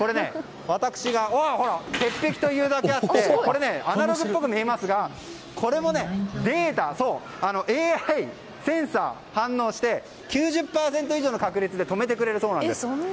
鉄壁というだけあってアナログっぽく見えますがこれもデータ、ＡＩでセンサーが反応して９０％以上の確率で止めてくれるそうなんです。